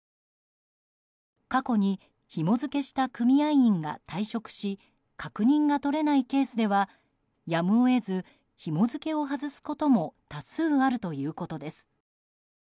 過去にひも付けした組合員が退職し確認が取れないケースではやむを得ずひも付けを外すことも多数あるということです。